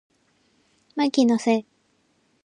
マイキーのせい